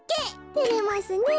てれますねえ。